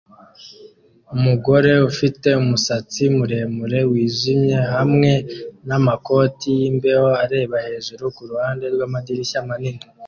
Umugore ufite umusatsi muremure wijimye hamwe namakoti yimbeho areba hejuru kuruhande rwamadirishya manini